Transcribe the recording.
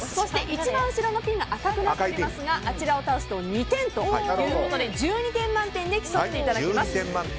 一番後ろのピンが赤くなっていますがあちらを倒すと２点ということで１２点満点で競っていただきます。